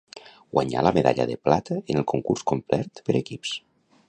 Guanyà la medalla de plata en el concurs complet per equips.